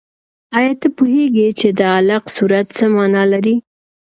آیا ته پوهېږې چې د علق سورت څه مانا لري؟